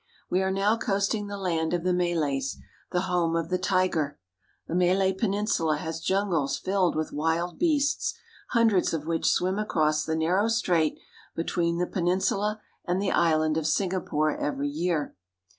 We are now coasting the land of the Malays, the home of the tiger. The Malay Peninsula has jungles filled with wild beasts, hundreds of which swim across the narrow strait between the peninsula and the island of Singapore every year.